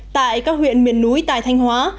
tại các huyện miền núi tài thanh hóa